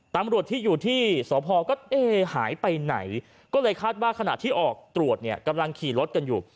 ตำรวจที่อยู่ที่สพก็เอ๊หายไปไหนก็เลยคาดว่าขณะที่ออกตรวจเนี่ยกำลังขี่รถกันอยู่